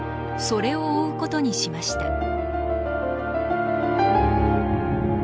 それを追うことにしました。